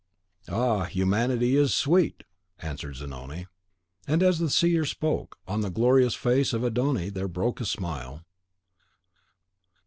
"Ah, humanity is sweet!" answered Zanoni. And as the seer spoke, on the glorious face of Adon Ai there broke a smile.